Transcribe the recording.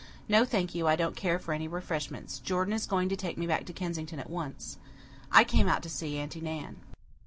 No, thank you, I don't care for any refreshments. Jordan is going to take me back to Kensington at once. I came out to see Aunty Nan."